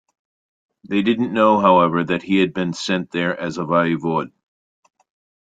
They didn't know, however, that he had been sent there as a voivode.